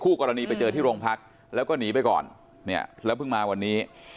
กรณีไปเจอที่โรงพักแล้วก็หนีไปก่อนเนี่ยแล้วเพิ่งมาวันนี้